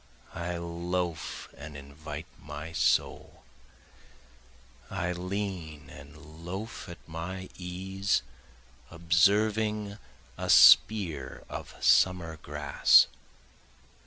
I loafe and invite my soul, I lean and loafe at my ease observing a spear of summer grass.